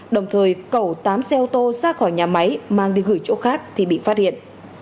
đồng thời cẩu tám xe ô tô ra khỏi nhà máy mang đi gửi chỗ khác thì bị phát hiện